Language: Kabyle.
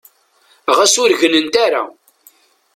Ɣas ur gtent ara.